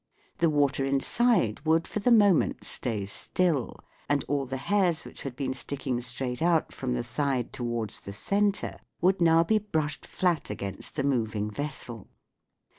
The water inside would for the moment stay still, and all the hairs which had been sticking straight out from the side towards the centre would now be brushed flat against the moving vessel.